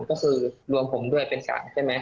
ก็คือรวมผมด้วยเป็น๓ใช่ไหม